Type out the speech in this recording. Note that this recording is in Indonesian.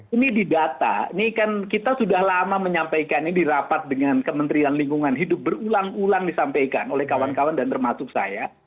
ini di data ini kan kita sudah lama menyampaikan ini di rapat dengan kementerian lingkungan hidup berulang ulang disampaikan oleh kawan kawan dan termasuk saya